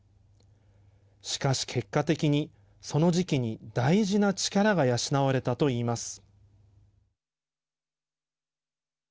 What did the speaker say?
しかし、結果的にその時期に大事な力が養われたといいます。